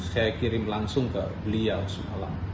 saya kirim langsung ke beliau semalam